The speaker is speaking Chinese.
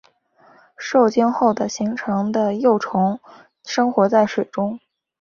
受精后的形成的幼虫生活在水中。